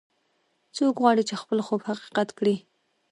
څوک غواړي چې خپل خوب حقیقت کړي